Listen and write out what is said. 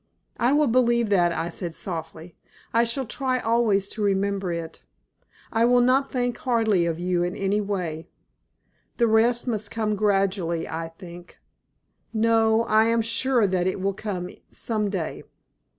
"I will believe that," I said, softly; "I shall try always to remember it. I will not think hardly of you in any way. The rest must come gradually I think no, I am sure that it will come some day."